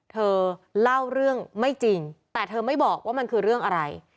เธอเล่าเรื่องไม่จริงแต่เธอไม่บอกว่ามันคือเรื่องอะไร